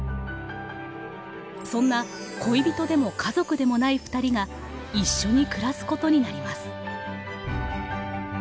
そんな恋人でも家族でもないふたりが一緒に暮らすことになります。